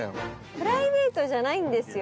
プライベートじゃないんですよ。